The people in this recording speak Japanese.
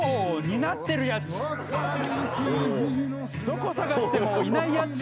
どこ探してもいないやつ。